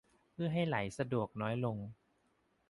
เพื่อให้ไหลสะดวกน้อยลง